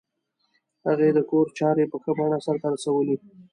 هغې د کور چارې په ښه بڼه سرته رسولې